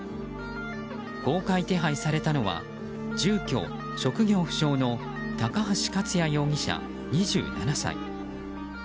公開手配されたのは住居・職業不詳の高橋勝也容疑者、２７歳。